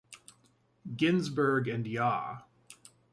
Ginzburg and Ya.